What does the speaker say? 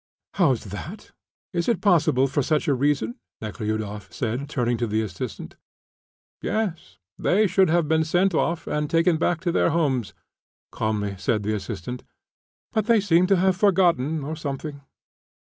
"How's that? Is it possible for such a reason?" Nekhludoff said, turning to the assistant. "Yes, they should have been sent off and taken back to their homes," calmly said the assistant, "but they seem to have been forgotten or something."